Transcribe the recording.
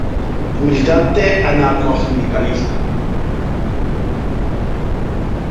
Militante anarcosindicalista.